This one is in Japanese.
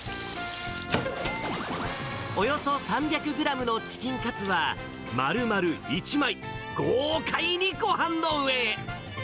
およそ３００グラムのチキンカツは、まるまる１枚、豪快にごはんの上へ。